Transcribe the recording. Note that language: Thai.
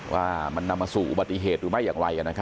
ว่ามันนำมาสู่อุบัติเหตุหรือไม่อย่างไร